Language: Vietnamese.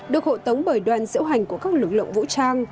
được hộ tống bởi đoàn diễu hành của các lực lượng vũ trang